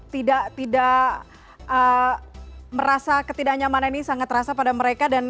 tidak merasa ketidaknyamanan ini sangat terasa pada mereka